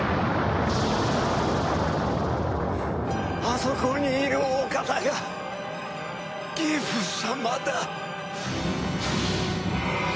あそこにいるお方がギフ様だ！